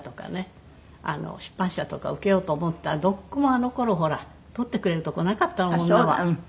出版社とか受けようと思ったらどこもあの頃ほら採ってくれるところなかったの女は。